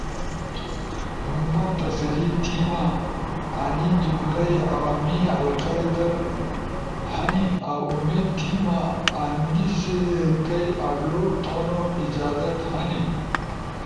ما تسلی تھیما انی جملہ ئی عوامی حلقہ ئی در ہنی اؤامید تھیما انیسی اپلوڈ تھونو اجازت ہنی۔